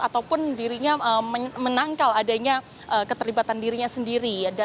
ataupun dirinya menangkal adanya keterlibatan dirinya sendiri